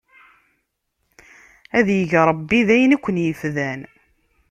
Ad ig Ṛebbi d ayen i ken-ifdan!